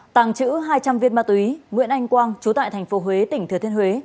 tàng trữ hai trăm linh viên ma túy nguyễn anh quang chú tại tp huế tỉnh thừa thiên huế